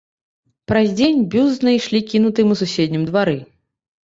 Праз дзень бюст знайшлі кінутым у суседнім двары.